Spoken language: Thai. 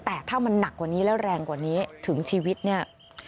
แต่ถ้ามันหนักกว่านี้แล้วแรงกว่านี้ถึงชีวิตเนี่ย